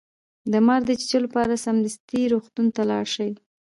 د مار د چیچلو لپاره سمدستي روغتون ته لاړ شئ